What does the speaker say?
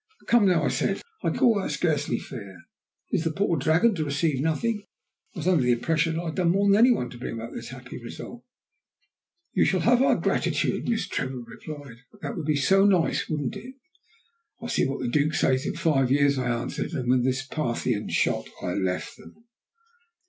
"Come, now," I said, "I call that scarcely fair. Is the poor dragon to receive nothing? I was under the impression that I had done more than any one to bring about this happy result." "You shall have our gratitude," Miss Trevor replied. "That would be so nice, wouldn't it?" "We'll see what the Duke says in five years," I answered, and with this Parthian shot I left them.